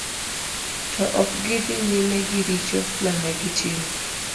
To ok gi dhi nyime gi richo mane gitimo.